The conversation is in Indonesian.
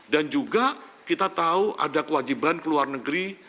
dan juga kita tahu ada kewajiban ke luar negeri